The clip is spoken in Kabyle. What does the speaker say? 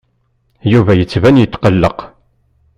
Yuba yettban yetqelleq.